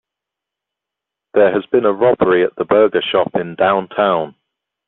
There has been a robbery at the burger shop in downtown.